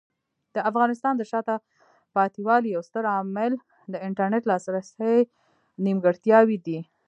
د افغانستان د شاته پاتې والي یو ستر عامل د انټرنیټ لاسرسي نیمګړتیاوې دي.